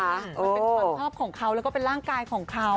มันเป็นความชอบของเขาแล้วก็เป็นร่างกายของเขา